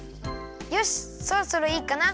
よしそろそろいいかな。